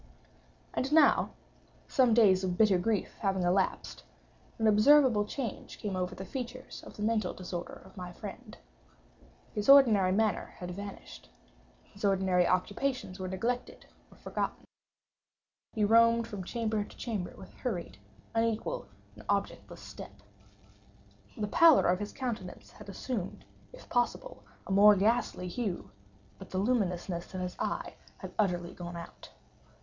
And now, some days of bitter grief having elapsed, an observable change came over the features of the mental disorder of my friend. His ordinary manner had vanished. His ordinary occupations were neglected or forgotten. He roamed from chamber to chamber with hurried, unequal, and objectless step. The pallor of his countenance had assumed, if possible, a more ghastly hue—but the luminousness of his eye had utterly gone out.